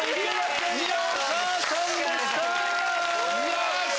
よし‼